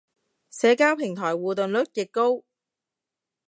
社交平台互動率極高